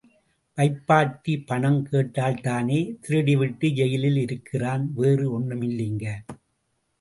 வைப்பாட்டி பணம் கேட்டதால்தானே திருடிவிட்டு ஜெயிலில் இருக்கிறான் வேறு ஒண்னுமில்லிங்க.